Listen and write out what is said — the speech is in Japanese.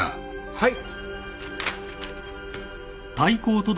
はい。